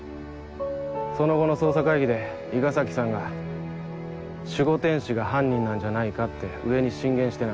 その後の捜査会議で伊賀崎さんが守護天使が犯人なんじゃないかって上に進言してな。